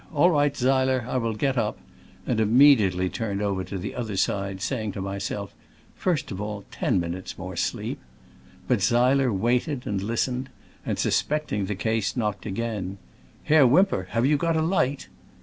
"All right, Seiler, I will get up," and immediately turn ed over to the other side, saying to my self, "First of all, ten minutes* more sleep. But Seiler waited and listened, and, suspecting the case, knocked again :" Herr Whymper, have you got a light